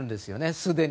すでに。